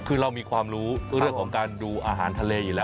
คือเรามีความรู้เรื่องของการดูอาหารทะเลอยู่แล้ว